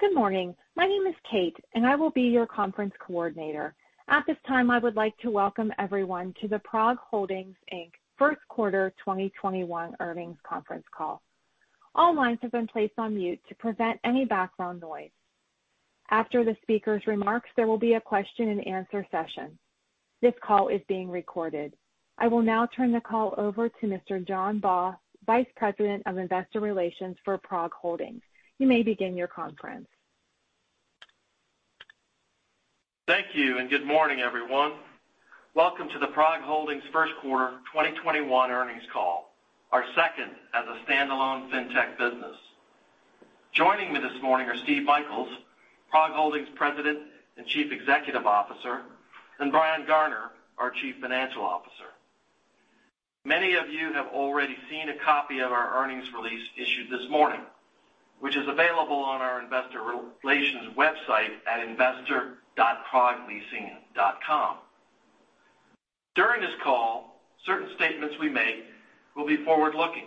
Good morning. My name is Kate. I will be your conference coordinator. At this time, I would like to welcome everyone to the PROG Holdings, Inc. First Quarter 2021 Earnings Conference Call. All lines have been placed on mute to prevent any background noise. After the speaker's remarks, there will be a question and answer session. This call is being recorded. I will now turn the call over to Mr. John Baugh, Vice President of Investor Relations for PROG Holdings. You may begin your conference. Thank you, good morning, everyone. Welcome to the PROG Holdings first quarter 2021 earnings call, our second as a standalone fintech business. Joining me this morning are Steve Michaels, PROG Holdings President and Chief Executive Officer, and Brian Garner, our Chief Financial Officer. Many of you have already seen a copy of our earnings release issued this morning, which is available on our investor relations website at investor.progholdings.com. During this call, certain statements we make will be forward-looking.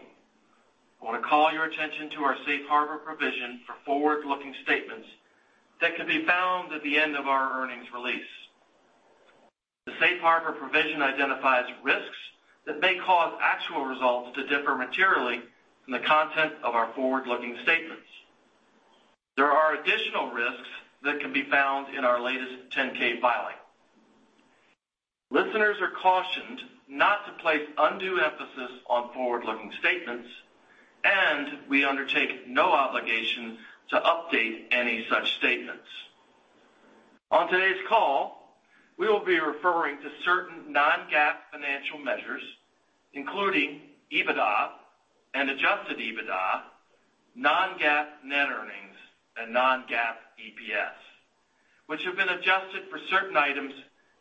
I want to call your attention to our safe harbor provision for forward-looking statements that can be found at the end of our earnings release. There are additional risks that can be found in our latest 10-K filing. Listeners are cautioned not to place undue emphasis on forward-looking statements, and we undertake no obligation to update any such statements. On today's call, we will be referring to certain non-GAAP financial measures, including EBITDA and adjusted EBITDA, non-GAAP net earnings, and non-GAAP EPS, which have been adjusted for certain items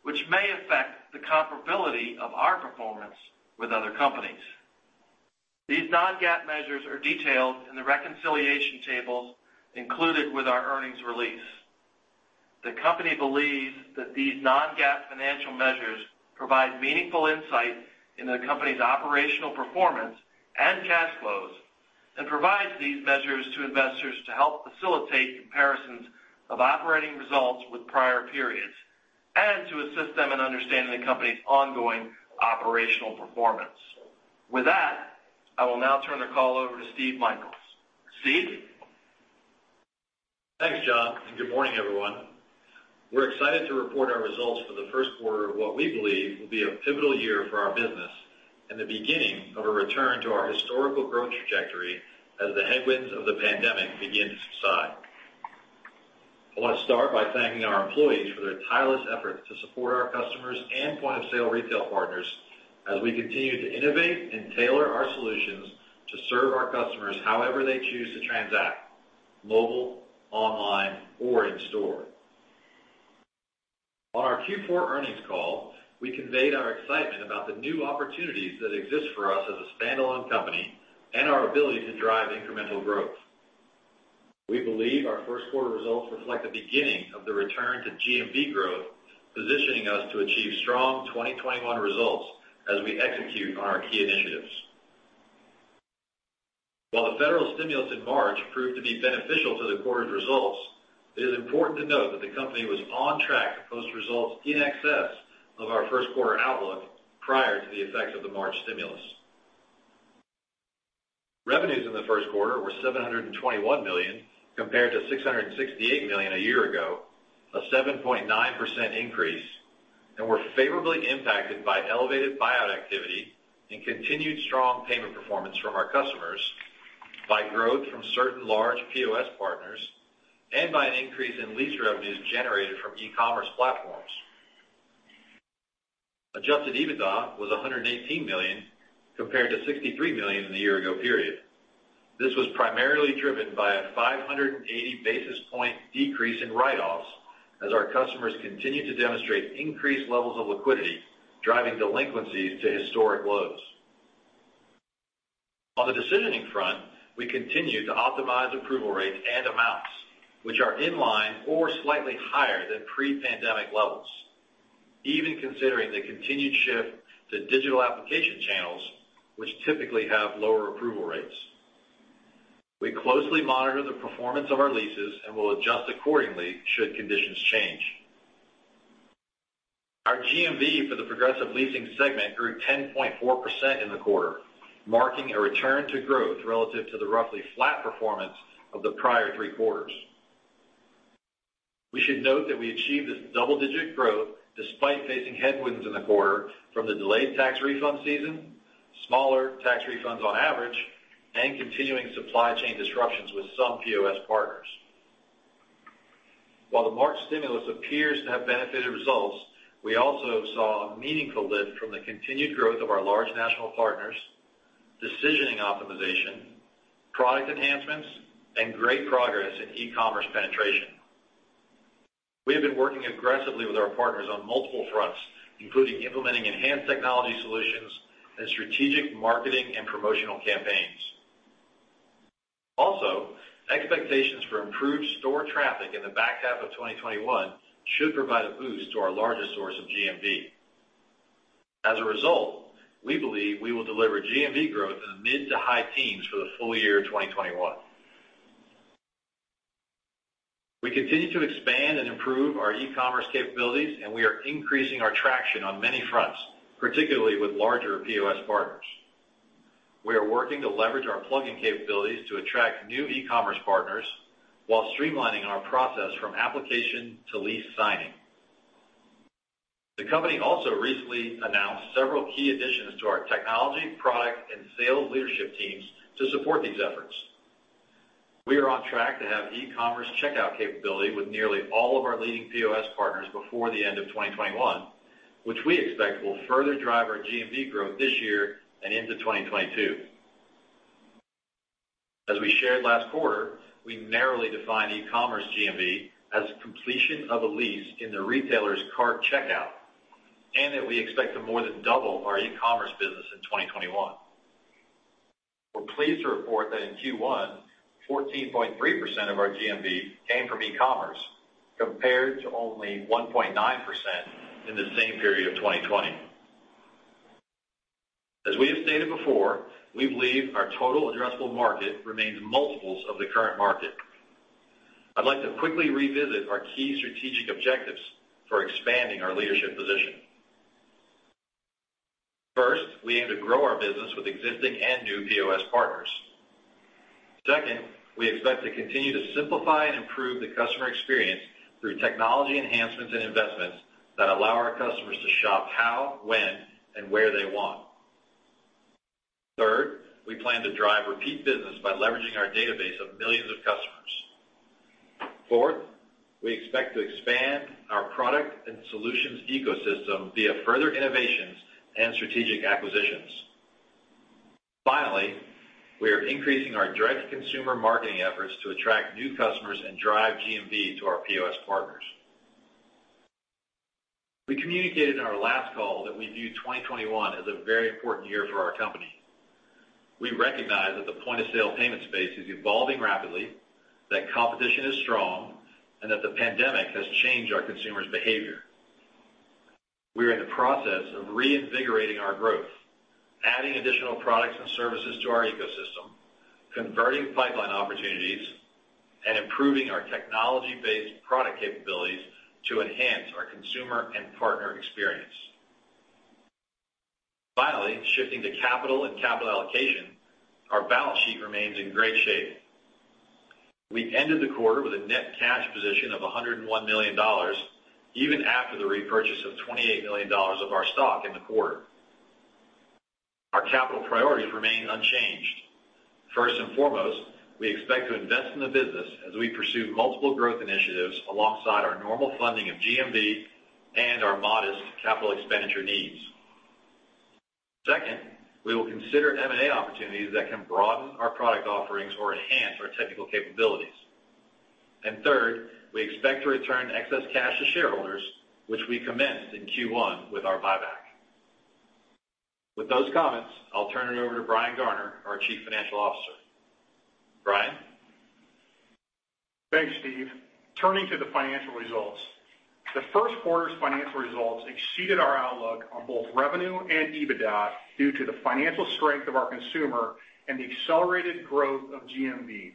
which may affect the comparability of our performance with other companies. These non-GAAP measures are detailed in the reconciliation tables included with our earnings release. The company believes that these non-GAAP financial measures provide meaningful insight into the company's operational performance and cash flows and provides these measures to investors to help facilitate comparisons of operating results with prior periods and to assist them in understanding the company's ongoing operational performance. With that, I will now turn the call over to Steve Michaels. Steve? Thanks, John. Good morning, everyone. We're excited to report our results for the first quarter of what we believe will be a pivotal year for our business and the beginning of a return to our historical growth trajectory as the headwinds of the pandemic begin to subside. I want to start by thanking our employees for their tireless efforts to support our customers and point-of-sale retail partners as we continue to innovate and tailor our solutions to serve our customers however they choose to transact, mobile, online, or in store. On our Q4 earnings call, we conveyed our excitement about the new opportunities that exist for us as a standalone company and our ability to drive incremental growth. We believe our first quarter results reflect the beginning of the return to GMV growth, positioning us to achieve strong 2021 results as we execute on our key initiatives. While the federal stimulus in March proved to be beneficial to the quarter's results, it is important to note that the company was on track to post results in excess of our first quarter outlook prior to the effects of the March stimulus. Revenues in the first quarter were $721 million compared to $668 million a year ago, a 7.9% increase, and were favorably impacted by elevated buyout activity and continued strong payment performance from our customers by growth from certain large POS partners and by an increase in lease revenues generated from e-commerce platforms. Adjusted EBITDA was $118 million, compared to $63 million in the year ago period. This was primarily driven by a 580 basis point decrease in write-offs as our customers continued to demonstrate increased levels of liquidity, driving delinquencies to historic lows. On the decisioning front, we continue to optimize approval rates and amounts which are in line or slightly higher than pre-pandemic levels, even considering the continued shift to digital application channels, which typically have lower approval rates. We closely monitor the performance of our leases and will adjust accordingly should conditions change. Our GMV for the Progressive Leasing segment grew 10.4% in the quarter, marking a return to growth relative to the roughly flat performance of the prior three quarters. We should note that we achieved this double-digit growth despite facing headwinds in the quarter from the delayed tax refund season, smaller tax refunds on average, and continuing supply chain disruptions with some POS partners. While the March stimulus appears to have benefited results, we also saw a meaningful lift from the continued growth of our large national partners, decisioning optimization, product enhancements, and great progress in e-commerce penetration. We have been working aggressively with our partners on multiple fronts, including implementing enhanced technology solutions and strategic marketing and promotional campaigns. Also, expectations for improved store traffic in the back half of 2021 should provide a boost to our largest source of GMV. We believe we will deliver GMV growth in the mid to high teens for the full year 2021. We continue to expand and improve our e-commerce capabilities, and we are increasing our traction on many fronts, particularly with larger POS partners. We are working to leverage our plugging capabilities to attract new e-commerce partners while streamlining our process from application to lease signing. The company also recently announced several key additions to our technology, product, and sales leadership teams to support these efforts. We are on track to have e-commerce checkout capability with nearly all of our leading POS partners before the end of 2021, which we expect will further drive our GMV growth this year and into 2022. As we shared last quarter, we narrowly define e-commerce GMV as completion of a lease in the retailer's cart checkout, and that we expect to more than double our e-commerce business in 2021. We're pleased to report that in Q1, 14.3% of our GMV came from e-commerce, compared to only 1.9% in the same period of 2020. As we have stated before, we believe our total addressable market remains multiples of the current market. I'd like to quickly revisit our key strategic objectives for expanding our leadership position. First, we aim to grow our business with existing and new POS partners. Second, we expect to continue to simplify and improve the customer experience through technology enhancements and investments that allow our customers to shop how, when, and where they want. Third, we plan to drive repeat business by leveraging our database of millions of customers. Fourth, we expect to expand our product and solutions ecosystem via further innovations and strategic acquisitions. Finally, we are increasing our direct consumer marketing efforts to attract new customers and drive GMV to our POS partners. We communicated in our last call that we view 2021 as a very important year for our company. We recognize that the point-of-sale payment space is evolving rapidly, that competition is strong, and that the pandemic has changed our consumers' behavior. We are in the process of reinvigorating our growth, adding additional products and services to our ecosystem, converting pipeline opportunities, and improving our technology-based product capabilities to enhance our consumer and partner experience. Finally, shifting to capital and capital allocation, our balance sheet remains in great shape. We ended the quarter with a net cash position of $101 million, even after the repurchase of $28 million of our stock in the quarter. Our capital priorities remain unchanged. First and foremost, we expect to invest in the business as we pursue multiple growth initiatives alongside our normal funding of GMV and our modest capital expenditure needs. Second, we will consider M&A opportunities that can broaden our product offerings or enhance our technical capabilities. Third, we expect to return excess cash to shareholders, which we commenced in Q1 with our buyback. With those comments, I'll turn it over to Brian Garner, our Chief Financial Officer. Brian? Thanks, Steve. Turning to the financial results. The first quarter's financial results exceeded our outlook on both revenue and EBITDA due to the financial strength of our consumer and the accelerated growth of GMV.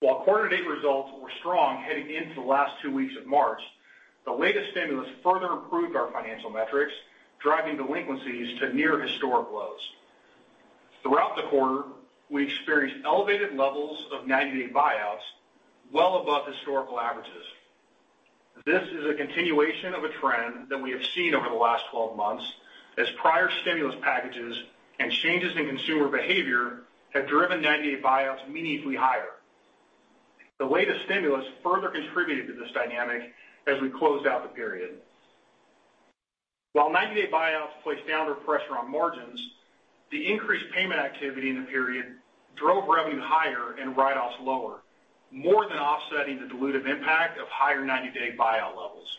While quarter date results were strong heading into the last two weeks of March, the latest stimulus further improved our financial metrics, driving delinquencies to near historic lows. Throughout the quarter, we experienced elevated levels of 90-day buyouts well above historical averages. This is a continuation of a trend that we have seen over the last 12 months as prior stimulus packages and changes in consumer behavior have driven 90-day buyouts meaningfully higher. The latest stimulus further contributed to this dynamic as we closed out the period. While 90-day buyouts place downward pressure on margins, the increased payment activity in the period drove revenue higher and write-offs lower, more than offsetting the dilutive impact of higher 90-day buyout levels.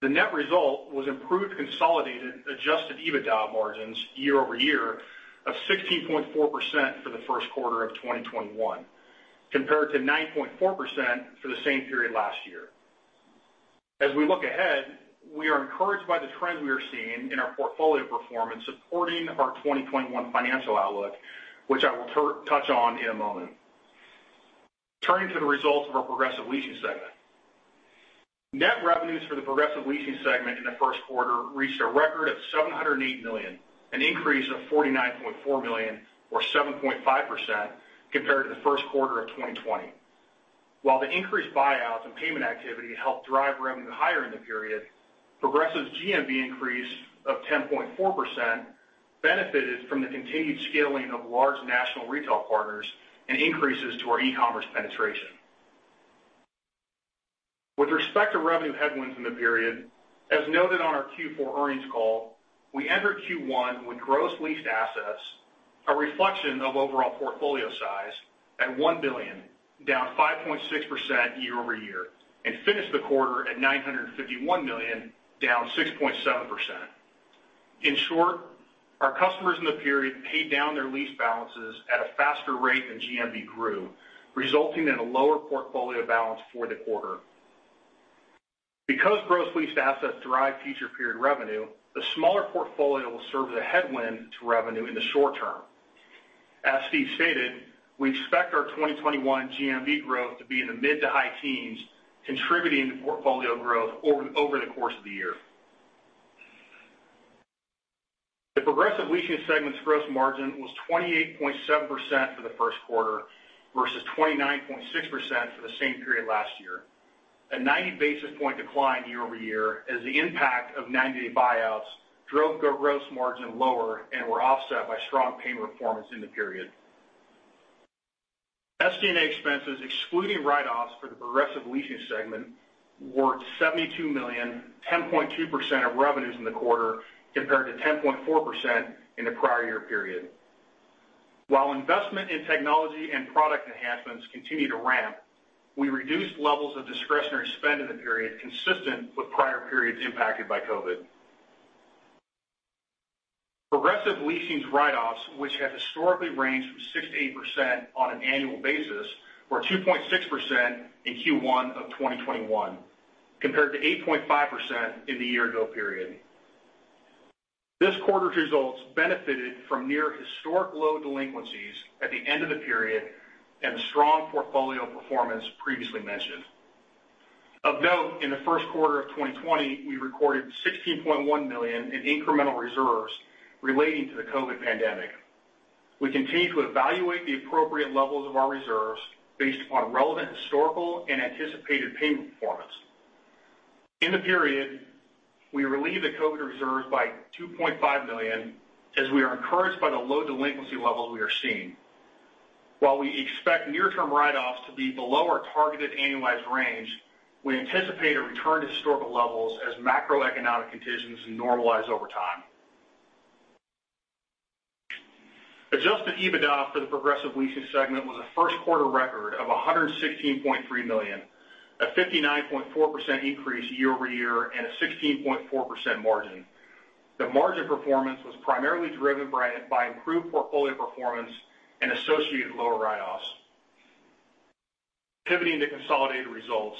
The net result was improved consolidated adjusted EBITDA margins year-over-year of 16.4% for the first quarter of 2021, compared to 9.4% for the same period last year. As we look ahead, we are encouraged by the trends we are seeing in our portfolio performance supporting our 2021 financial outlook, which I will touch on in a moment. Turning to the results of our Progressive Leasing segment. Net revenues for the Progressive Leasing segment in the first quarter reached a record of $708 million, an increase of $49.4 million or 7.5% compared to the first quarter of 2020. While the increased buyouts and payment activity helped drive revenue higher in the period, Progressive Leasing's GMV increase of 10.4% benefited from the continued scaling of large national retail partners and increases to our e-commerce penetration. With respect to revenue headwinds in the period, as noted on our Q4 earnings call, we entered Q1 with gross leased assets, a reflection of overall portfolio size at $1 billion, down 5.6% year-over-year, and finished the quarter at $951 million, down 6.7%. In short, our customers in the period paid down their lease balances at a faster rate than GMV grew, resulting in a lower portfolio balance for the quarter. Because gross leased assets drive future period revenue, the smaller portfolio will serve as a headwind to revenue in the short term. As Steve stated, we expect our 2021 GMV growth to be in the mid to high teens, contributing to portfolio growth over the course of the year. The Progressive Leasing segment's gross margin was 28.7% for the first quarter versus 29.6% for the same period last year. A 90 basis point decline year-over-year as the impact of 90-day buyouts drove gross margin lower and were offset by strong payment performance in the period. SG&A expenses, excluding write-offs for the Progressive Leasing segment, were $72 million, 10.2% of revenues in the quarter, compared to 10.4% in the prior year period. While investment in technology and product enhancements continue to ramp, we reduced levels of discretionary spend in the period consistent with prior periods impacted by COVID. Progressive Leasing's write-offs, which have historically ranged from 6%-8% on an annual basis, were 2.6% in Q1 of 2021 compared to 8.5% in the year-ago period. This quarter's results benefited from near historic low delinquencies at the end of the period and the strong portfolio performance previously mentioned. Of note, in the first quarter of 2020, we recorded $16.1 million in incremental reserves relating to the COVID pandemic. We continue to evaluate the appropriate levels of our reserves based upon relevant historical and anticipated payment performance. In the period, we relieved the COVID reserves by $2.5 million as we are encouraged by the low delinquency levels we are seeing. While we expect near-term write-offs to be below our targeted annualized range, we anticipate a return to historical levels as macroeconomic conditions normalize over time. Adjusted EBITDA for the Progressive Leasing segment was a first quarter record of $116.3 million, a 59.4% increase year-over-year and a 16.4% margin. The margin performance was primarily driven by improved portfolio performance and associated lower write-offs. Pivoting to consolidated results.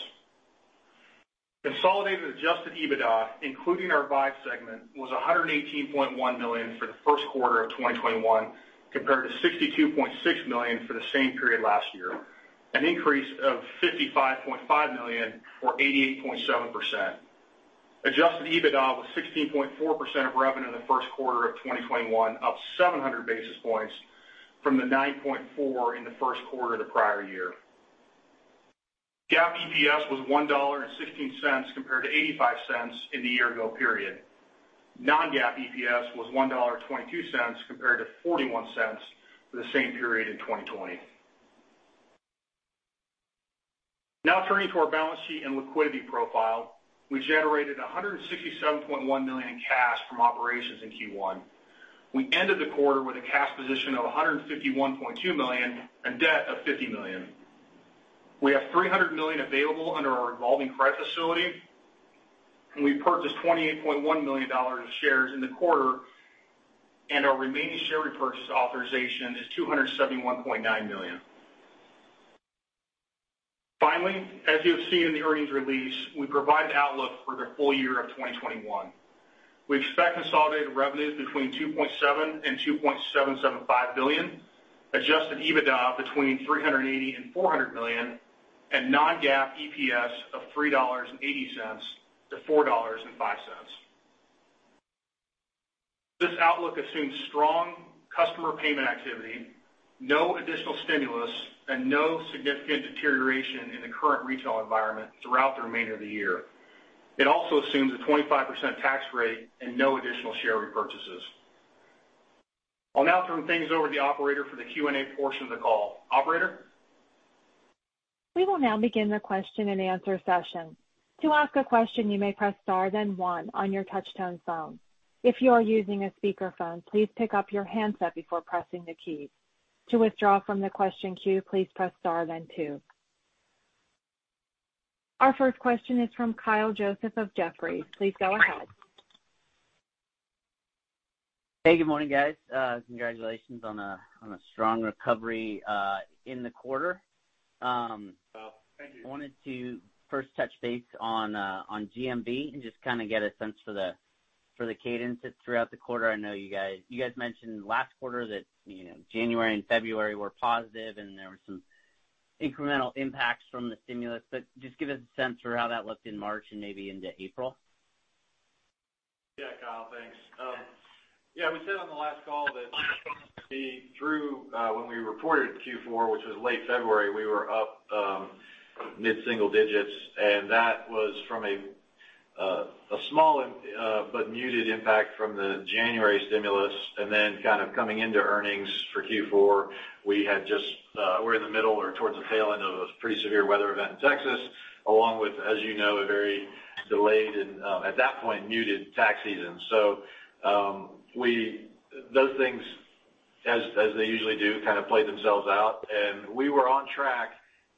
Consolidated adjusted EBITDA, including our Vive segment, was $118.1 million for the first quarter of 2021 compared to $62.6 million for the same period last year, an increase of $55.5 million or 88.7%. Adjusted EBITDA was 16.4% of revenue in the first quarter of 2021, up 700 basis points from the 9.4% in the first quarter of the prior year. GAAP EPS was $1.16 compared to $0.85 in the year ago period. Non-GAAP EPS was $1.22 compared to $0.41 for the same period in 2020. Now turning to our balance sheet and liquidity profile. We generated $167.1 million in cash from operations in Q1. We ended the quarter with a cash position of $151.2 million and debt of $50 million. We have $300 million available under our revolving credit facility. We purchased $28.1 million of shares in the quarter. Our remaining share repurchase authorization is $271.9 million. Finally, as you have seen in the earnings release, we provide an outlook for the full year of 2021. We expect consolidated revenues between $2.7 billion and $2.775 billion, adjusted EBITDA between $380 million and $400 million, and non-GAAP EPS of $3.80 to $4.05. This outlook assumes strong customer payment activity, no additional stimulus, and no significant deterioration in the current retail environment throughout the remainder of the year. It also assumes a 25% tax rate and no additional share repurchases. I'll now turn things over to the operator for the Q&A portion of the call. Operator? We will now begin the question and answer session. If you have a question, you may press star then one on your touchtone phone. If you are using a speakerphone, please pick up your handset before pressing any key. To withdraw from the question queue, please press star then two. Our first question is from Kyle Joseph of Jefferies. Please go ahead. Hey, good morning, guys. Congratulations on a strong recovery in the quarter. Well, thank you. I wanted to first touch base on GMV and just kind of get a sense for the cadence throughout the quarter. I know you guys mentioned last quarter that January and February were positive and there were some incremental impacts from the stimulus. Just give us a sense for how that looked in March and maybe into April. Kyle. Thanks. We said on the last call that through when we reported Q4, which was late February, we were up mid-single digits, and that was from a small but muted impact from the January stimulus, and then kind of coming into earnings for Q4, we're in the middle or towards the tail end of a pretty severe weather event in Texas along with, as you know, a very delayed and, at that point, muted tax season. Those things As they usually do, kind of play themselves out. We were on track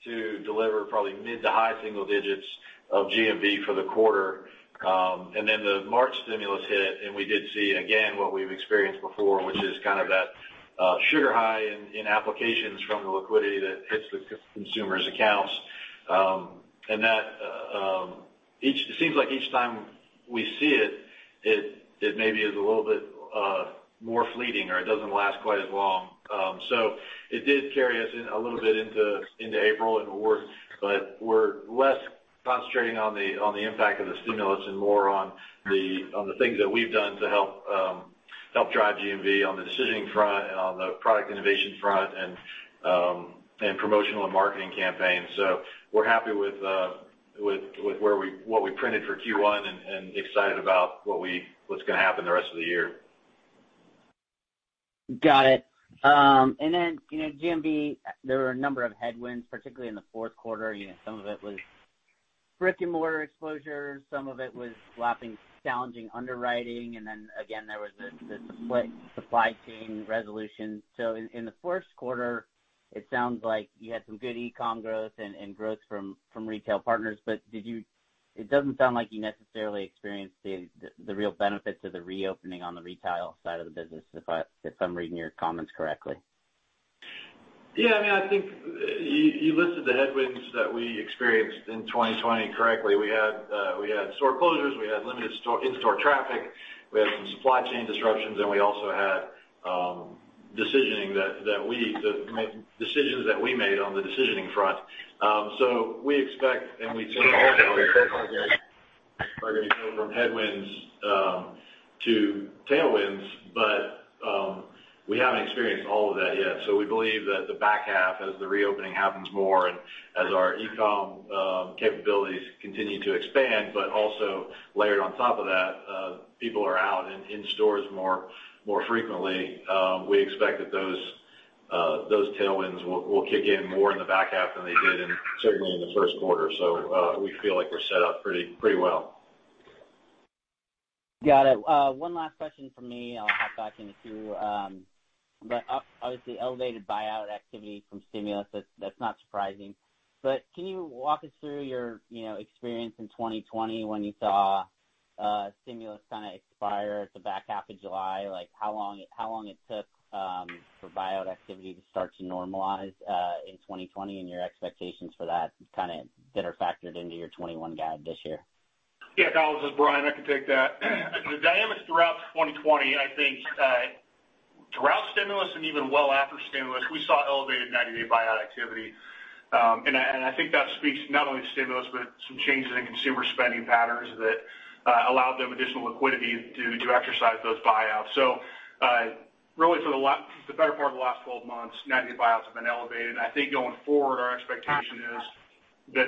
to deliver probably mid to high single digits of GMV for the quarter. Then the March stimulus hit, and we did see, again, what we've experienced before, which is kind of that sugar high in applications from the liquidity that hits the consumers' accounts. It seems like each time we see it maybe is a little bit more fleeting, or it doesn't last quite as long. It did carry us a little bit into April and March. We're less concentrating on the impact of the stimulus and more on the things that we've done to help drive GMV on the decisioning front and on the product innovation front and promotional and marketing campaigns. We're happy with what we printed for Q1 and excited about what's going to happen the rest of the year. Got it. GMV, there were a number of headwinds, particularly in the fourth quarter. Some of it was brick-and-mortar exposure, some of it was lapping challenging underwriting, and then again, there was the split supply chain resolution. In the first quarter, it sounds like you had some good e-com growth and growth from retail partners. It doesn't sound like you necessarily experienced the real benefits of the reopening on the retail side of the business, if I'm reading your comments correctly. Yeah. I think you listed the headwinds that we experienced in 2020 correctly. We had store closures, we had limited in-store traffic, we had some supply chain disruptions, and we also had decisions that we made on the decisioning front. We expect, and we think ultimately we're going to go from headwinds to tailwinds, but we haven't experienced all of that yet. We believe that the back half, as the reopening happens more and as our e-com capabilities continue to expand, but also layered on top of that, people are out in stores more frequently. We expect that those tailwinds will kick in more in the back half than they did certainly in the first quarter. We feel like we're set up pretty well. Got it. One last question from me. I'll hop back in the queue. Obviously elevated buyout activity from stimulus, that's not surprising. Can you walk us through your experience in 2020 when you saw stimulus kind of expire at the back half of July, like how long it took for buyout activity to start to normalize in 2020 and your expectations for that kind of that are factored into your 2021 guide this year? Yeah, Kyle, this is Brian, I can take that. The dynamics throughout 2020, I think throughout stimulus and even well after stimulus, we saw elevated 90-day buyout activity. I think that speaks not only to stimulus, but some changes in consumer spending patterns that allowed them additional liquidity to exercise those buyouts. Really for the better part of the last 12 months, 90-day buyouts have been elevated. I think going forward, our expectation is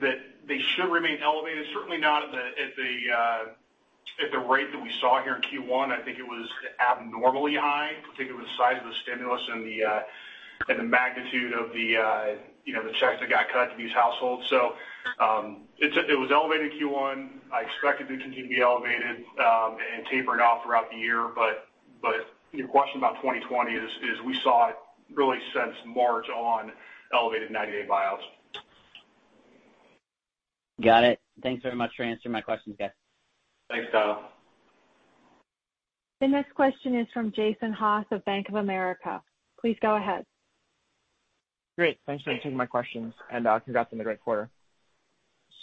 that they should remain elevated. Certainly not at the rate that we saw here in Q1. I think it was abnormally high, particularly with the size of the stimulus and the magnitude of the checks that got cut to these households. It was elevated Q1. I expect it to continue to be elevated and tapering off throughout the year. Your question about 2020 is we saw it really since March on elevated 90-day buyouts. Got it. Thanks very much for answering my questions, guys. Thanks, Kyle. The next question is from Jason Haas of Bank of America. Please go ahead. Great. Thanks for taking my questions and congrats on the great quarter.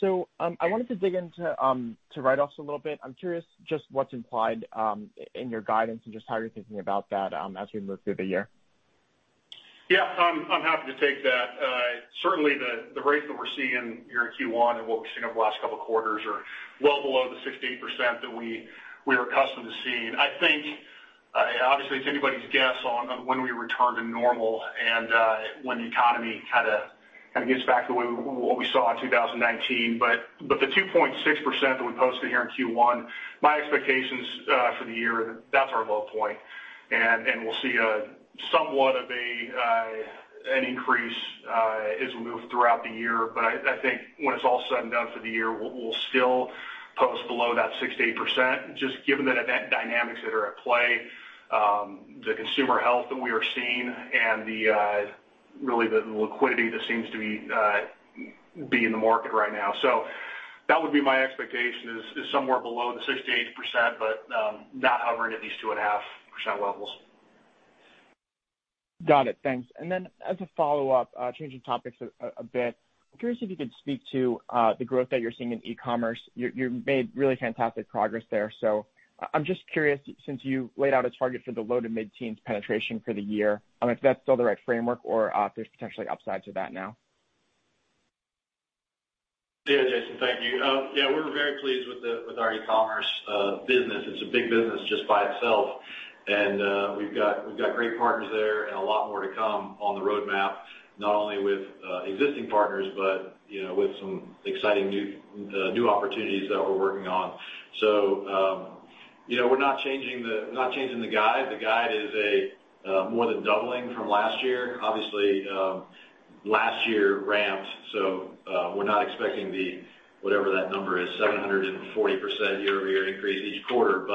I wanted to dig into write-offs a little bit. I'm curious just what's implied in your guidance and just how you're thinking about that as we move through the year. I'm happy to take that. Certainly, the rate that we're seeing here in Q1 and what we've seen over the last couple of quarters are well below the 16% that we are accustomed to seeing. I think, obviously, it's anybody's guess on when we return to normal and when the economy kind of gets back to what we saw in 2019. The 2.6% that we posted here in Q1, my expectations for the year, that's our low point. We'll see somewhat of an increase as we move throughout the year. I think when it's all said and done for the year, we'll still post below that 6%-8%, just given the dynamics that are at play, the consumer health that we are seeing, and really the liquidity that seems to be in the market right now. That would be my expectation is somewhere below the 6%-8%, but not hovering at these 2.5% levels. Got it. Thanks. As a follow-up, changing topics a bit. I'm curious if you could speak to the growth that you're seeing in e-commerce. You made really fantastic progress there. I'm just curious, since you laid out a target for the low to mid-teens penetration for the year, if that's still the right framework or if there's potentially upside to that now. Jason Haas, thank you. We're very pleased with our e-commerce business. It's a big business just by itself. We've got great partners there and a lot more to come on the roadmap, not only with existing partners, but with some exciting new opportunities that we're working on. We're not changing the guide. The guide is more than doubling from last year. Last year ramped, we're not expecting the, whatever that number is, 740% year-over-year increase each quarter.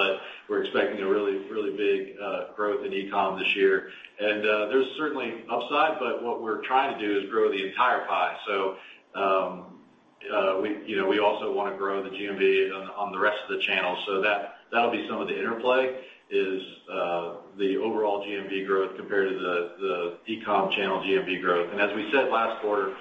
We're expecting a really big growth in e-com this year. There's certainly upside, but what we're trying to do is grow the entire pie. We also want to grow the GMV on the rest of the channel. That'll be some of the interplay, is the overall GMV growth compared to the e-com channel GMV growth. As we said last quarter,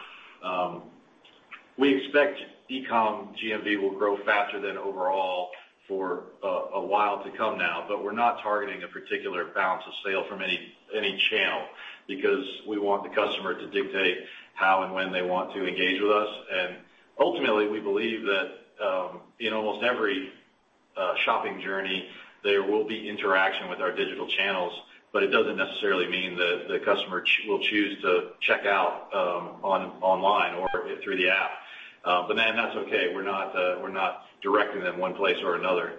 we expect e-com GMV will grow faster than overall for a while to come now. We're not targeting a particular balance of sale from any channel, because we want the customer to dictate how and when they want to engage with us. Ultimately, we believe that in almost every shopping journey, there will be interaction with our digital channels, but it doesn't necessarily mean that the customer will choose to check out online or through the app. Man, that's okay. We're not directing them one place or another.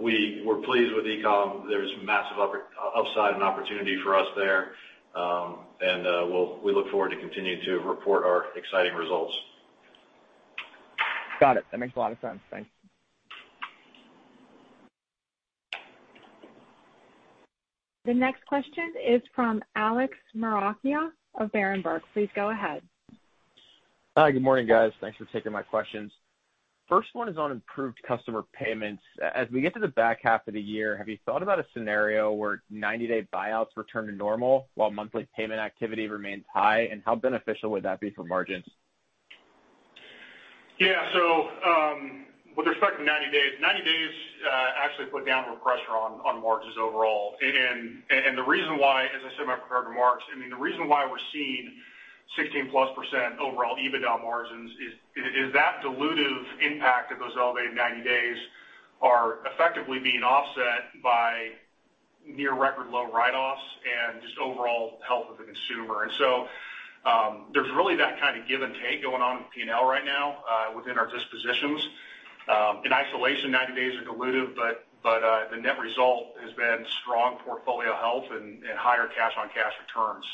We were pleased with e-com. There's massive upside and opportunity for us there. We look forward to continuing to report our exciting results. Got it. That makes a lot of sense. Thanks. The next question is from Alex Maroccia of Berenberg. Please go ahead. Hi. Good morning, guys. Thanks for taking my questions. First one is on improved customer payments. As we get to the back half of the year, have you thought about a scenario where 90-day buyouts return to normal while monthly payment activity remains high? How beneficial would that be for margins? Yeah. With respect to 90 days actually put downward pressure on margins overall. The reason why, as I said in my prepared remarks, the reason why we're seeing 16+% overall EBITDA margins is that dilutive impact of those elevated 90 days are effectively being offset by near record low write-offs and just overall health of the consumer. There's really that kind of give and take going on with P&L right now within our dispositions. In isolation, 90 days are dilutive, but the net result has been strong portfolio health and higher cash-on-cash returns.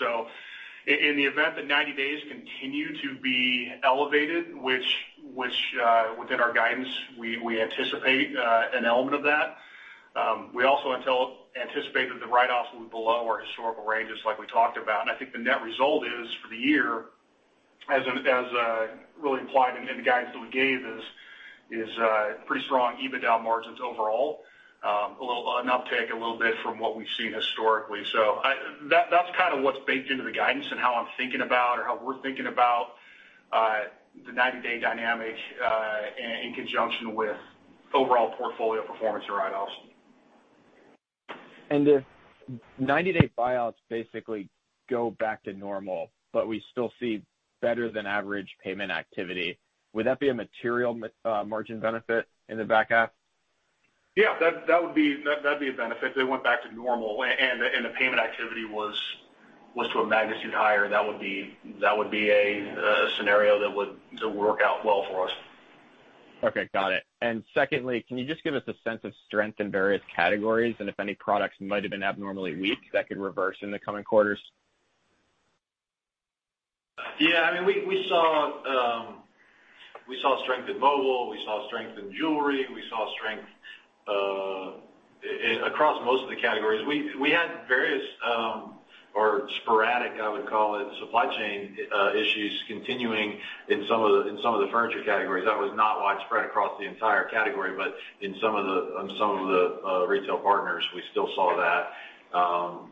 In the event that 90 days continue to be elevated, which within our guidance, we anticipate an element of that. We also anticipate that the write-offs will be below our historical ranges like we talked about. I think the net result is for the year, as really implied in the guidance that we gave, is pretty strong EBITDA margins overall, an uptick a little bit from what we've seen historically. That's kind of what's baked into the guidance and how I'm thinking about, or how we're thinking about the 90-day dynamics in conjunction with overall portfolio performance or write-offs. If 90-day buyouts basically go back to normal, but we still see better than average payment activity, would that be a material margin benefit in the back half? Yeah, that'd be a benefit if they went back to normal and the payment activity was to a magnitude higher. That would be a scenario that would work out well for us. Okay, got it. Secondly, can you just give us a sense of strength in various categories and if any products might have been abnormally weak that could reverse in the coming quarters? Yeah. We saw strength in mobile, we saw strength in jewelry, we saw strength across most of the categories. We had various or sporadic, I would call it, supply chain issues continuing in some of the furniture categories. That was not widespread across the entire category, but in some of the retail partners, we still saw that.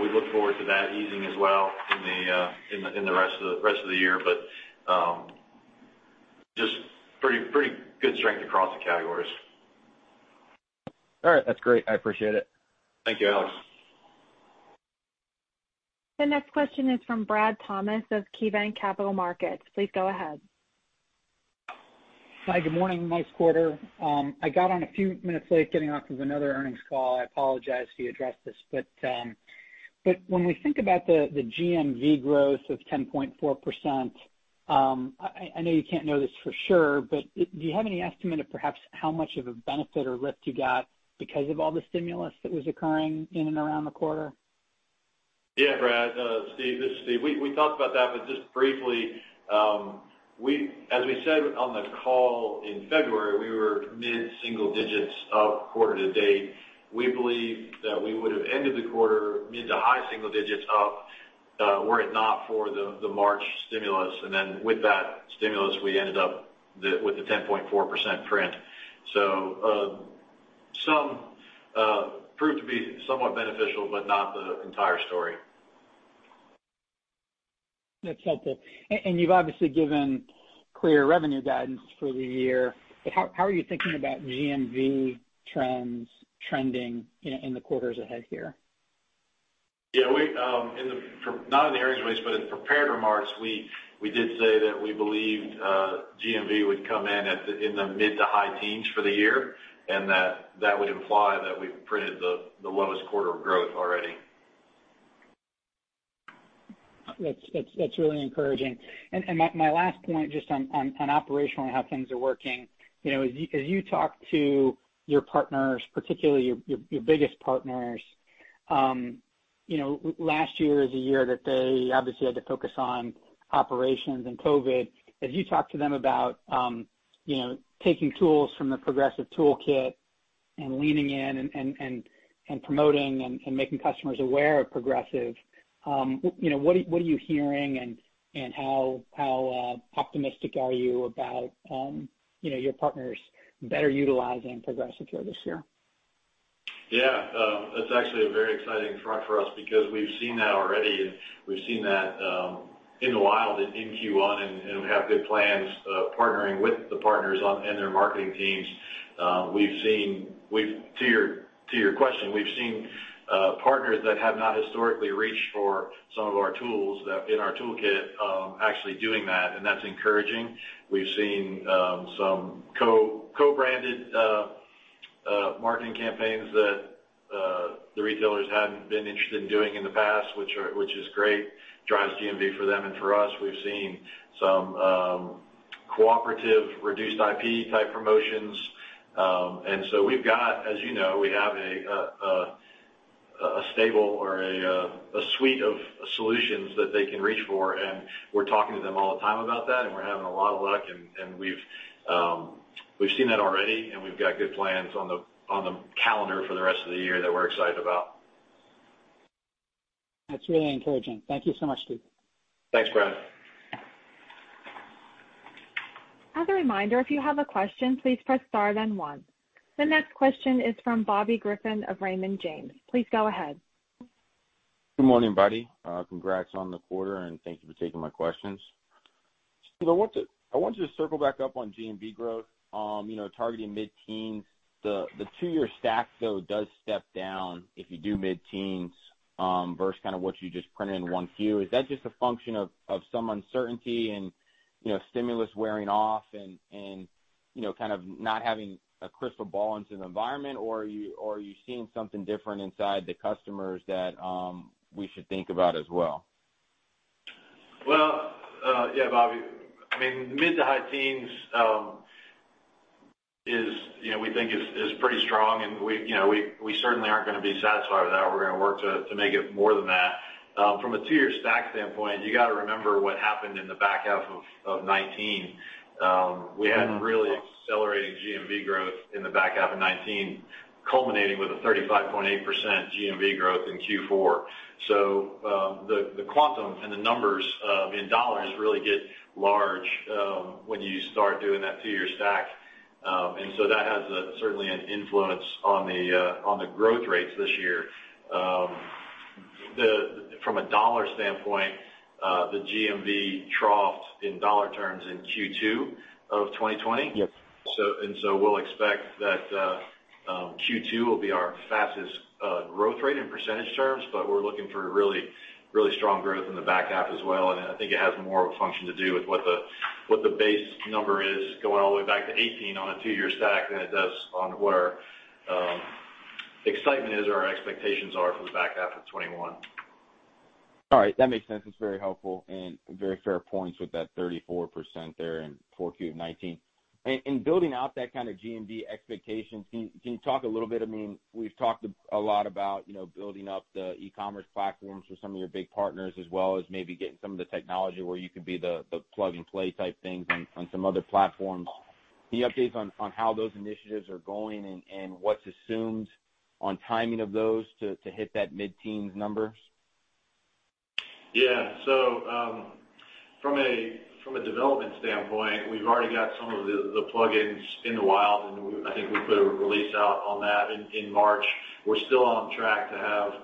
We look forward to that easing as well in the rest of the year. Just pretty good strength across the categories. All right. That's great. I appreciate it. Thank you, Alex. The next question is from Brad Thomas of KeyBanc Capital Markets. Please go ahead. Hi. Good morning. Nice quarter. I got on a few minutes late getting off of another earnings call. I apologize if you addressed this. When we think about the GMV growth of 10.4%, I know you can't know this for sure, but do you have any estimate of perhaps how much of a benefit or lift you got because of all the stimulus that was occurring in and around the quarter? Yeah, Brad. Steve, this is Steve. We talked about that, but just briefly, as we said on the call in February, we were mid-single digits up quarter to date. We believe that we would have ended the quarter mid to high single digits up, were it not for the March stimulus, and then with that stimulus, we ended up with the 10.4% print. Some proved to be somewhat beneficial, but not the entire story. That's helpful. You've obviously given clear revenue guidance for the year, but how are you thinking about GMV trends trending in the quarters ahead here? Yeah. Not in the earnings release, but in prepared remarks, we did say that we believed GMV would come in at the mid to high teens for the year, and that would imply that we've printed the lowest quarter of growth already. That's really encouraging. My last point just on operational and how things are working, as you talk to your partners, particularly your biggest partners. Last year is a year that they obviously had to focus on operations and COVID. As you talk to them about taking tools from the Progressive toolkit and leaning in and promoting and making customers aware of Progressive, what are you hearing and how optimistic are you about your partners better utilizing Progressive Care this year? Yeah. That's actually a very exciting front for us because we've seen that already, and we've seen that in the wild in Q1, and we have good plans partnering with the partners and their marketing teams. To your question, we've seen partners that have not historically reached for some of our tools in our toolkit actually doing that, and that's encouraging. We've seen some co-branded marketing campaigns that the retailers hadn't been interested in doing in the past, which is great. Drives GMV for them and for us. We've seen some cooperative reduced IP type promotions. We've got, as you know, we have a stable or a suite of solutions that they can reach for, and we're talking to them all the time about that, and we're having a lot of luck. We've seen that already, and we've got good plans on the calendar for the rest of the year that we're excited about. That's really encouraging. Thank you so much, Steve. Thanks, Brad. As a reminder, if you have a question, please press star then one. The next question is from Bobby Griffin of Raymond James. Please go ahead. Good morning, everybody. Congrats on the quarter, and thank you for taking my questions. Steve, I want you to circle back up on GMV growth, targeting mid-teen. The two-year stack, though, does step down if you do mid-teens versus what you just printed in 1Q. Is that just a function of some uncertainty and stimulus wearing off and not having a crystal ball into the environment, or are you seeing something different inside the customers that we should think about as well? Well, yeah, Bobby. Mid to high teens we think is pretty strong, and we certainly aren't going to be satisfied with that. We're going to work to make it more than that. From a two-year stack standpoint, you got to remember what happened in the back half of 2019. We had really accelerating GMV growth in the back half of 2019, culminating with a 35.8% GMV growth in Q4. The quantum and the numbers in dollars really get large when you start doing that two-year stack. That has certainly an influence on the growth rates this year. From a dollar standpoint, the GMV troughed in dollar terms in Q2 of 2020. Yeah.. We'll expect that Q2 will be our fastest growth rate in percentage terms, but we're looking for really strong growth in the back half as well, and I think it has more of a function to do with what the base number is going all the way back to 2018 on a two-year stack than it does on where excitement is or our expectations are for the back half of 2021. All right. That makes sense. That's very helpful and very fair points with that 34% there in 4Q of 2019. In building out that kind of GMV expectations, can you talk a little bit, we've talked a lot about building up the e-commerce platforms for some of your big partners, as well as maybe getting some of the technology where you could be the plug-and-play type things on some other platforms. Any updates on how those initiatives are going and what's assumed on timing of those to hit that mid-teens numbers? So from a development standpoint, we've already got some of the plugins in the wild, and I think we put a release out on that in March. We're still on track to have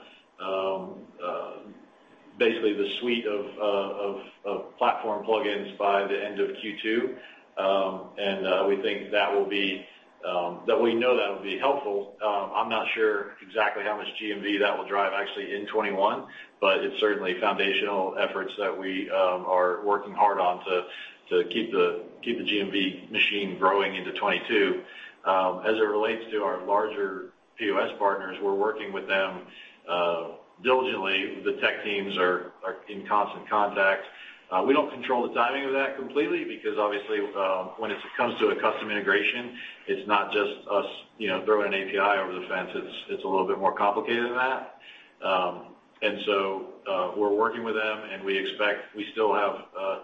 basically the suite of platform plugins by the end of Q2. We know that will be helpful. I'm not sure exactly how much GMV that will drive actually in 2021, it's certainly foundational efforts that we are working hard on to keep the GMV machine growing into 2022. As it relates to our larger POS partners, we're working with them diligently. The tech teams are in constant contact. We don't control the timing of that completely because obviously, when it comes to a custom integration, it's not just us throwing an API over the fence. It's a little bit more complicated than that. We're working with them, and we still have a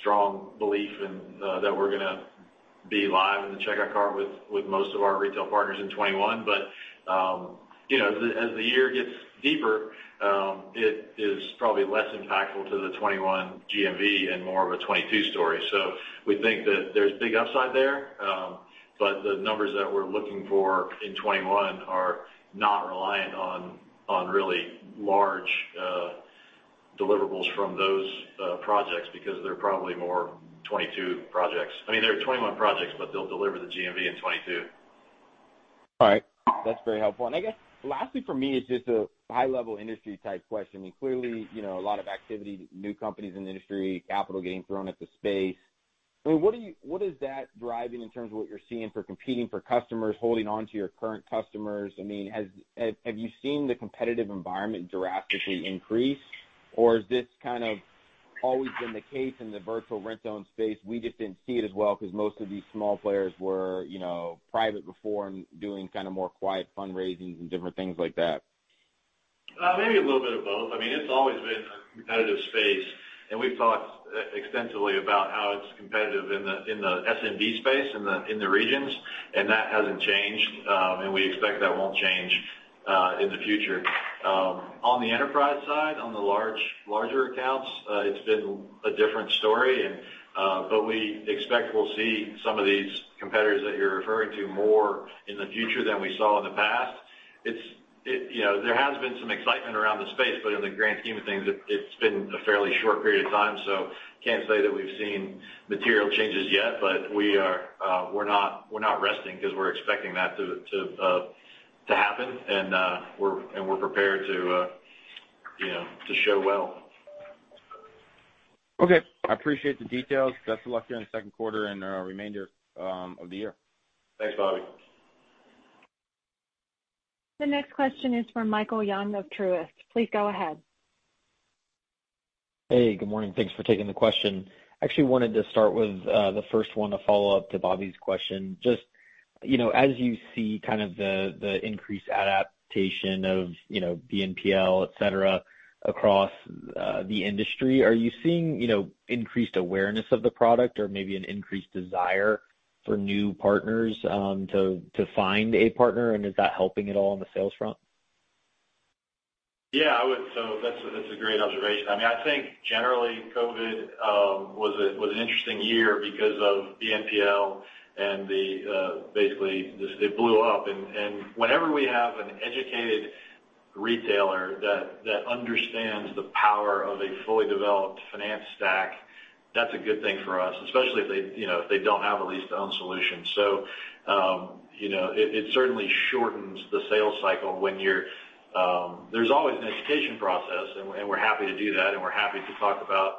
strong belief that we're going to be live in the checkout cart with most of our retail partners in 2021. As the year gets deeper, it is probably less impactful to the 2021 GMV and more of a 2022 story. We think that there's big upside there. The numbers that we're looking for in 2021 are not reliant on really large deliverables from those projects because they're probably more 2022 projects. I mean, they're 2021 projects, but they'll deliver the GMV in 2022. All right. That's very helpful. I guess lastly for me is just a high-level industry type question. Clearly, a lot of activity, new companies in the industry, capital getting thrown at the space. What is that driving in terms of what you're seeing for competing for customers, holding onto your current customers? Have you seen the competitive environment drastically increase, or is this kind of always been the case in the virtual rent-own space? We just didn't see it as well because most of these small players were private before and doing more quiet fundraisings and different things like that. Maybe a little bit of both. It's always been a competitive space, and we've talked extensively about how it's competitive in the SMB space, in the regions, and that hasn't changed. We expect that won't change in the future. On the enterprise side, on the larger accounts, it's been a different story. We expect we'll see some of these competitors that you're referring to more in the future than we saw in the past. There has been some excitement around the space, but in the grand scheme of things, it's been a fairly short period of time. Can't say that we've seen material changes yet, but we're not resting because we're expecting that to happen. We're prepared to show well. Okay. I appreciate the details. Best of luck during the second quarter and remainder of the year. Thanks, Bobby. The next question is from Michael Young of Truist. Please go ahead. Hey, good morning. Thanks for taking the question. Actually wanted to start with the first one, a follow-up to Bobby's question. Just as you see the increased adaptation of BNPL, et cetera, across the industry, are you seeing increased awareness of the product or maybe an increased desire for new partners to find a partner? Is that helping at all on the sales front? Yeah, that's a great observation. I think generally, COVID was an interesting year because of BNPL and basically, it blew up. Whenever we have an educated retailer that understands the power of a fully developed finance stack, that's a good thing for us, especially if they don't have a lease-to-own solution. It certainly shortens the sales cycle. There's always an education process, and we're happy to do that, and we're happy to talk about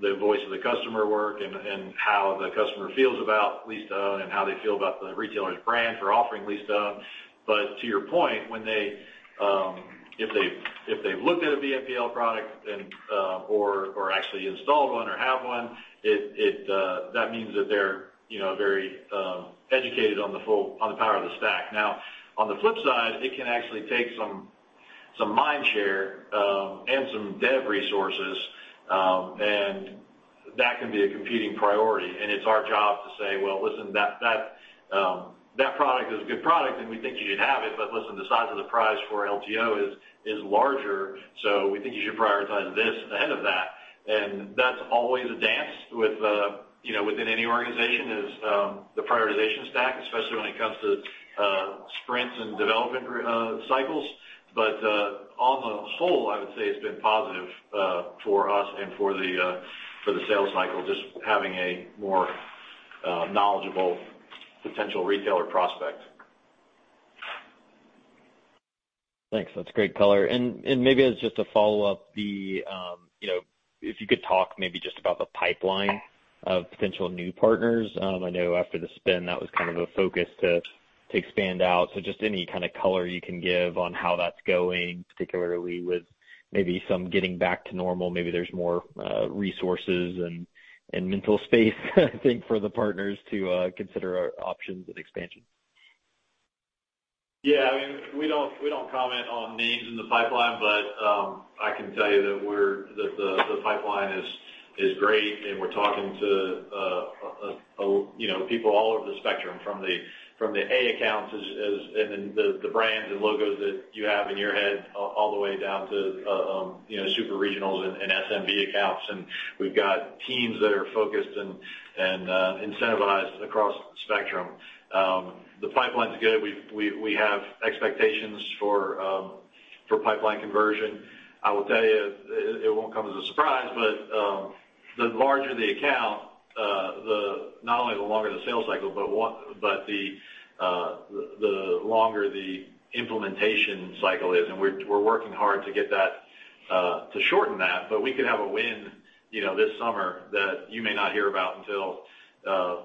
the voice of the customer work and how the customer feels about lease-to-own and how they feel about the retailer's brand for offering lease-to-own. To your point, if they've looked at a BNPL product or actually installed one or have one, that means that they're very educated on the power of the stack. On the flip side, it can actually take some mind share and some dev resources, and that can be a competing priority. It's our job to say, "Well, listen, that product is a good product, and we think you should have it. Listen, the size of the price for LTO is larger, so we think you should prioritize this ahead of that." That's always a dance within any organization, is the prioritization stack, especially when it comes to sprints and development cycles. On the whole, I would say it's been positive for us and for the sales cycle, just having a more knowledgeable potential retailer prospect. Thanks. That's great color. Maybe as just a follow-up, if you could talk maybe just about the pipeline of potential new partners. I know after the spin, that was kind of a focus to expand out. Just any kind of color you can give on how that's going, particularly with maybe some getting back to normal. Maybe there's more resources and mental space, I think, for the partners to consider options and expansion. We don't comment on names in the pipeline, but I can tell you that the pipeline is great, and we're talking to people all over the spectrum, from the A accounts and the brands and logos that you have in your head, all the way down to super regionals and SMB accounts. We've got teams that are focused and incentivized across the spectrum. The pipeline's good. We have expectations for pipeline conversion. I will tell you, it won't come as a surprise, but the larger the account, not only the longer the sales cycle, but the longer the implementation cycle is. We're working hard to shorten that. We could have a win this summer that you may not hear about until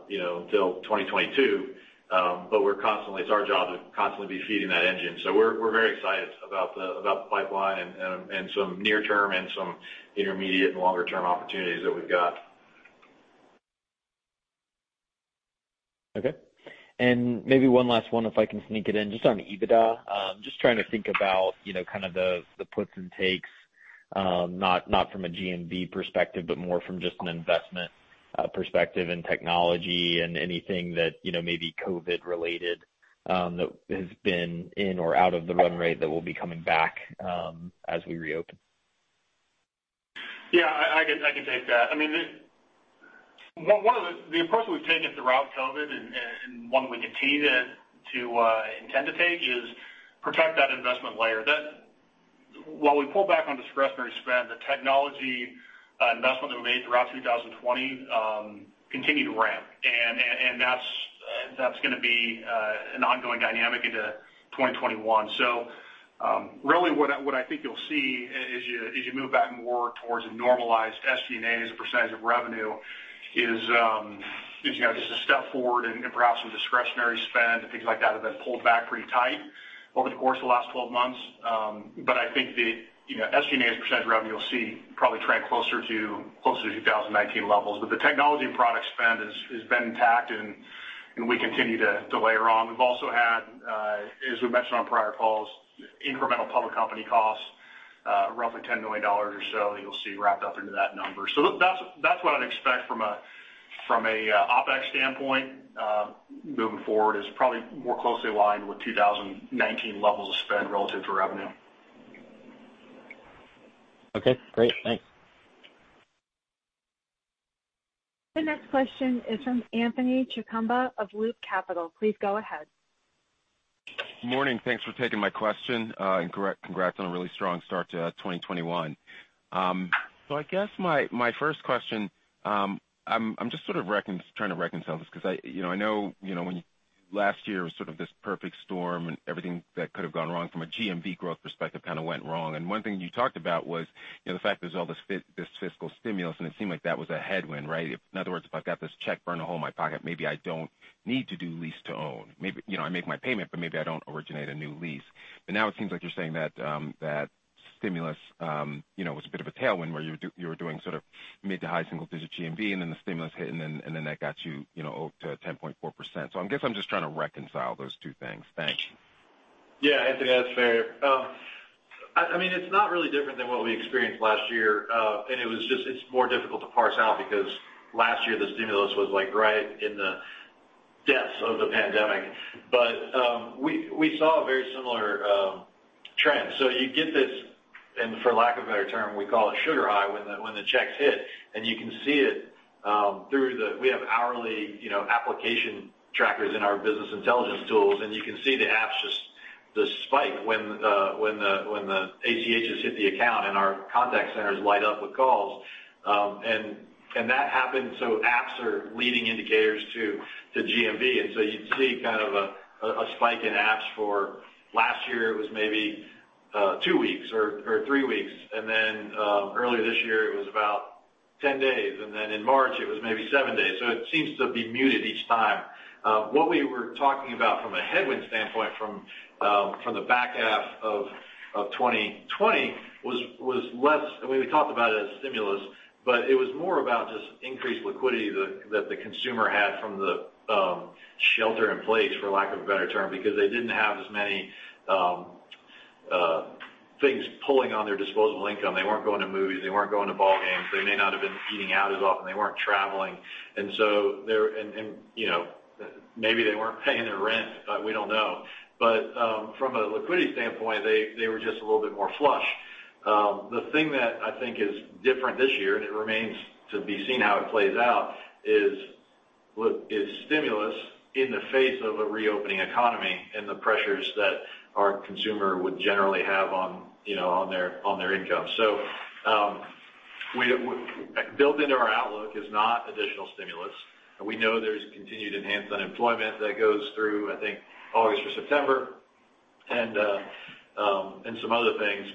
2022. It's our job to constantly be feeding that engine. We're very excited about the pipeline and some near-term and some intermediate and longer-term opportunities that we've got. Okay. Maybe one last one, if I can sneak it in, just on EBITDA. Just trying to think about the puts and takes, not from a SG&A perspective, but more from just an investment perspective and technology and anything that may be COVID related that has been in or out of the run rate that will be coming back as we reopen. Yeah, I can take that. The approach that we've taken throughout COVID and one we continue to intend to take is protect that investment layer. While we pull back on discretionary spend, the technology investment that we made throughout 2020 continued to ramp. That's going to be an ongoing dynamic into 2021. Really, what I think you'll see as you move back more towards a normalized SG&A as a percentage of revenue is just a step forward and perhaps some discretionary spend and things like that have been pulled back pretty tight over the course of the last 12 months. I think the SG&A as a percentage of revenue, you'll see probably trend closer to 2019 levels. The technology and product spend has been intact, and we continue to layer on. We've also had, as we mentioned on prior calls, incremental public company costs, roughly $10 million or so that you'll see wrapped up into that number. That's what I'd expect from an OpEx standpoint moving forward is probably more closely aligned with 2019 levels of spend relative to revenue. Okay, great. Thanks. The next question is from Anthony Chukumba of Loop Capital. Please go ahead. Morning. Thanks for taking my question. Congrats on a really strong start to 2021. I guess my first question, I'm just sort of trying to reconcile this because I know, last year was sort of this perfect storm and everything that could've gone wrong from a GMV growth perspective kind of went wrong. One thing you talked about was the fact there's all this fiscal stimulus, and it seemed like that was a headwind, right? In other words, if I've got this check burning a hole in my pocket, maybe I don't need to do lease-to-own. Maybe I make my payment, but maybe I don't originate a new lease. Now it seems like you're saying that stimulus was a bit of a tailwind where you were doing sort of mid to high single-digit GMV, and then the stimulus hit, and then that got you up to 10.4%. I guess I'm just trying to reconcile those two things. Thanks. Yeah, Anthony, that's fair. It's not really different than what we experienced last year. It's more difficult to parse out because last year the stimulus was right in the depths of the pandemic. We saw a very similar trend. You get this, and for lack of a better term, we call it sugar high when the checks hit. You can see it. We have hourly application trackers in our business intelligence tools, and you can see the apps, just the spike when the ACHs hit the account, and our contact centers light up with calls. That happened. Apps are leading indicators to GMV. You'd see kind of a spike in apps for last year, it was maybe two weeks or three weeks. Earlier this year, it was about 10 days. In March, it was maybe seven days. It seems to be muted each time. What we were talking about from a headwind standpoint from the back half of 2020 was less. We talked about it as stimulus, but it was more about just increased liquidity that the consumer had from the shelter in place, for lack of a better term, because they didn't have as many things pulling on their disposable income. They weren't going to movies. They weren't going to ball games. They may not have been eating out as often. They weren't traveling. Maybe they weren't paying their rent. We don't know. From a liquidity standpoint, they were just a little bit more flush. The thing that I think is different this year, and it remains to be seen how it plays out, is stimulus in the face of a reopening economy and the pressures that our consumer would generally have on their income. Built into our outlook is not additional stimulus. We know there's continued enhanced unemployment that goes through, I think, August or September, and some other things.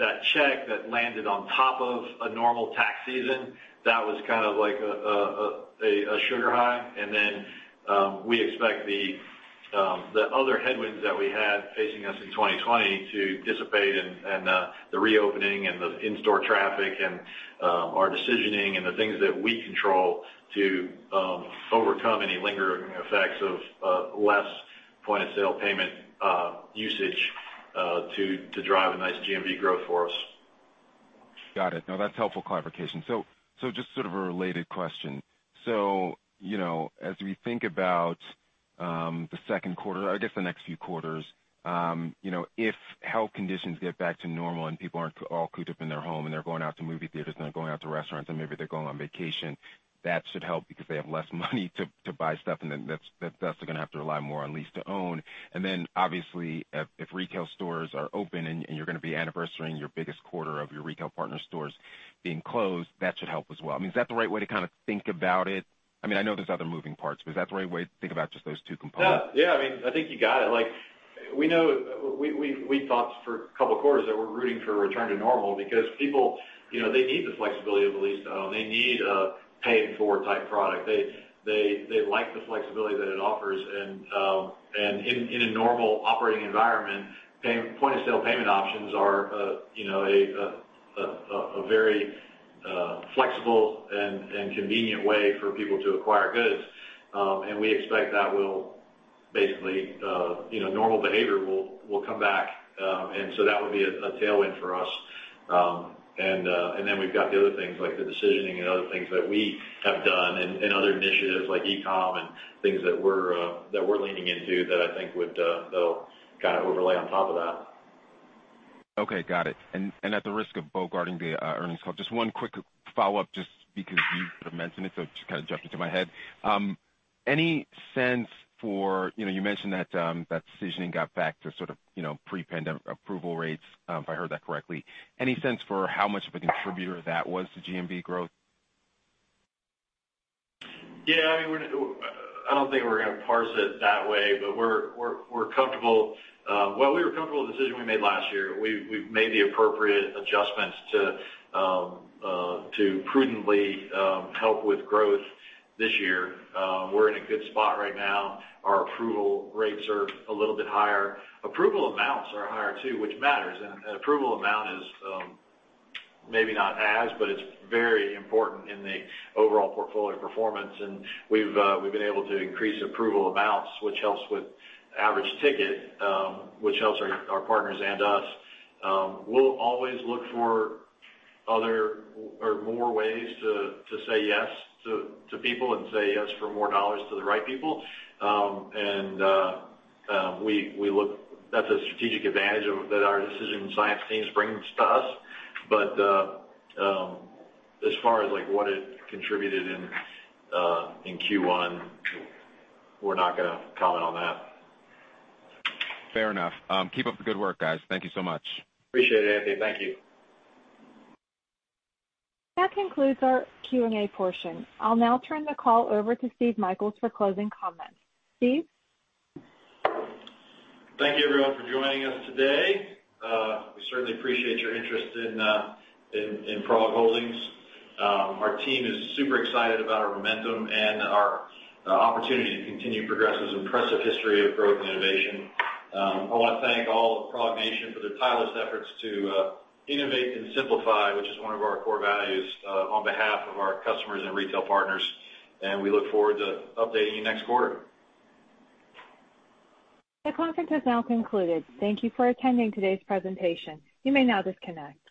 That check that landed on top of a normal tax season, that was kind of like a sugar high. Then we expect the other headwinds that we had facing us in 2020 to dissipate and the reopening and the in-store traffic and our decisioning and the things that we control to overcome any lingering effects of less point-of-sale payment usage to drive a nice GMV growth for us. Got it. No, that's helpful clarification. Just sort of a related question. As we think about the second quarter, I guess the next few quarters, if health conditions get back to normal and people aren't all cooped up in their home, and they're going out to movie theaters, and they're going out to restaurants, and maybe they're going on vacation, that should help because they have less money to buy stuff, and then thus they're going to have to rely more on lease-to-own. Obviously, if retail stores are open and you're going to be anniversary-ing your biggest quarter of your retail partner stores being closed, that should help as well. I mean, is that the right way to kind of think about it? I know there's other moving parts, is that the right way to think about just those two components? Yeah. I think you got it. We thought for a couple of quarters that we're rooting for a return to normal because people, they need the flexibility of a lease-to-own. They need a pay-it-forward type product. They like the flexibility that it offers, and in a normal operating environment, point-of-sale payment options are a very flexible and convenient way for people to acquire goods. We expect that basically normal behavior will come back. That would be a tailwind for us. We've got the other things like the decisioning and other things that we have done and other initiatives like e-com and things that we're leaning into that I think would kind of overlay on top of that. Okay. Got it. At the risk of bogarting the earnings call, just one quick follow-up just because you sort of mentioned it, so it just kind of jumped into my head. You mentioned that decisioning got back to sort of pre-pandemic approval rates, if I heard that correctly. Any sense for how much of a contributor that was to GMV growth? Yeah. I don't think we're going to parse it that way, we're comfortable. Well, we were comfortable with the decision we made last year. We've made the appropriate adjustments to prudently help with growth this year. We're in a good spot right now. Our approval rates are a little bit higher. Approval amounts are higher too, which matters. An approval amount is very important in the overall portfolio performance. We've been able to increase approval amounts, which helps with average ticket, which helps our partners and us. We'll always look for other or more ways to say yes to people and say yes for more dollars to the right people. That's a strategic advantage that our decision science teams brings to us. As far as what it contributed in Q1, we're not going to comment on that. Fair enough. Keep up the good work, guys. Thank you so much. Appreciate it, Anthony. Thank you. That concludes our Q&A portion. I'll now turn the call over to Steve Michaels for closing comments. Steve? Thank you, everyone, for joining us today. We certainly appreciate your interest in PROG Holdings. Our team is super excited about our momentum and our opportunity to continue Progressive's impressive history of growth and innovation. I want to thank all of PROG Nation for their tireless efforts to innovate and simplify, which is one of our core values, on behalf of our customers and retail partners. We look forward to updating you next quarter. The conference has now concluded. Thank you for attending today's presentation. You may now disconnect.